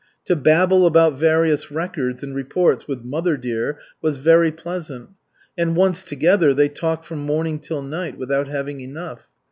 To babble about various records and reports with "mother dear" was very pleasant, and, once together, they talked from morning till night without having enough.